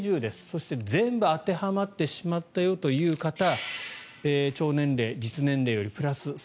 そして、全部当てはまってしまったよという方腸年齢、実年齢よりプラス３０。